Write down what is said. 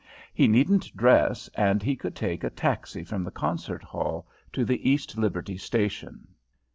He needn't dress, and he could take a taxi from the concert hall to the East Liberty station.